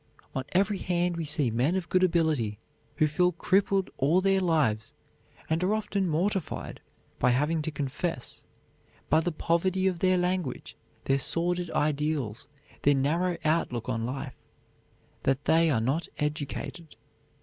On every hand we see men of good ability who feel crippled all their lives and are often mortified, by having to confess, by the poverty of their language, their sordid ideals, their narrow outlook on life, that they are not educated.